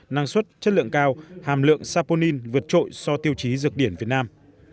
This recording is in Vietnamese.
sản xuất chất lượng cao hàm lượng saponin vượt trội so tiêu chí dược điển việt nam